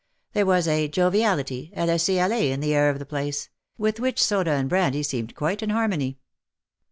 There was a joviality, a laissez aller in the air of the place, 103 witli which soda and brandy seemed quite in harmony.